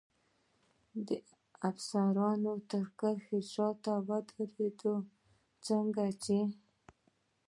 د افسرانو تر کرښې شاته ودراوه، څنګه چې.